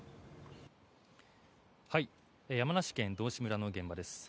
山梨県道志村の現場です。